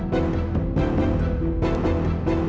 ma bencana ma